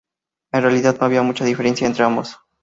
En realidad no había mucha diferencia entre ambos.